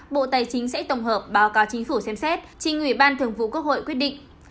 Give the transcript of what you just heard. bộ tài chính sẽ tổng hợp báo cáo chính phủ xem xét trình ủy ban thường vụ quốc hội quyết định